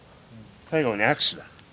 最後に握手だ。